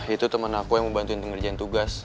itu temen aku yang mau bantuin ngerjain tugas